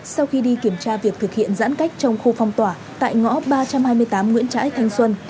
sau khi đi kiểm tra việc thực hiện giãn cách trong khu phong tỏa tại ngõ ba trăm hai mươi tám nguyễn trãi thanh xuân